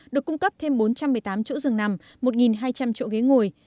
được cung cấp thêm bốn trăm một mươi tám chỗ dừng nằm một hai trăm linh chỗ ghế ngồi